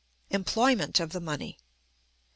Employment of the Money.